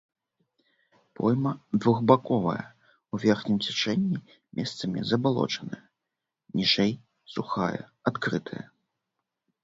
Пойма двухбаковая, у верхнім цячэнні месцамі забалочаная, ніжэй сухая, адкрытая.